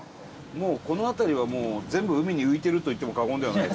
もう、この辺りは全部、海に浮いてると言っても過言ではない。